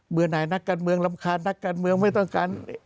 ไหนนักการเมืองรำคาญนักการเมืองไม่ต้องการ